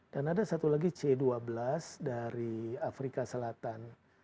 dan ada satu lagi c dua belas dari afrika selatan